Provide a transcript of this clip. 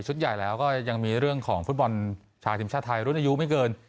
ใหญ่แล้วก็ยังมีเรื่องของฟุตบอลชายทีมชาติไทยรุ่นอายุไม่เกิน